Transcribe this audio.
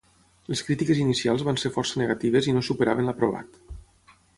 Les crítiques inicials van ser força negatives i no superaven l'aprovat.